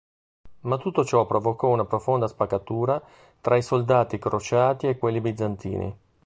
Ma tutto ciò provocò una profonda spaccatura tra i soldati crociati e quelli bizantini.